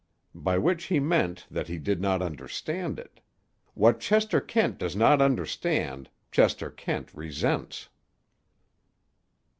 By which he meant that he did not understand it. What Chester Kent does not understand, Chester Kent resents.